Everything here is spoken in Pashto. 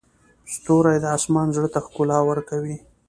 ستوري د اسمان زړه ته ښکلا ورکوي.